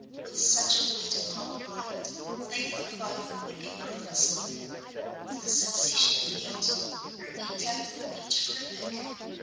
With such a weight upon the mind length of life would be burthensome; with a sensation of guilt early death would be terrific!